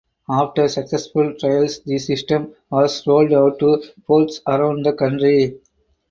After successful trials the system was rolled out to ports around the country.